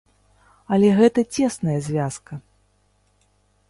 Але гэта цесная звязка.